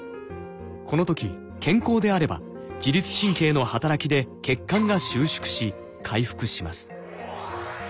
この時健康であれば自律神経の働きで血管が収縮し回復します。